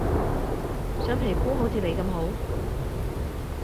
想皮膚好似你咁好